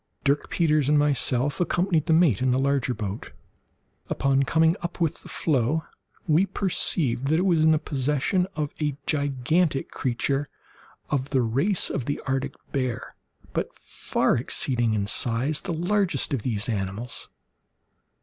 Dirk Peters and myself accompanied the mate in the larger boat. Upon coming up with the floe, we perceived that it was in the possession of a gigantic creature of the race of the Arctic bear, but far exceeding in size the largest of these animals.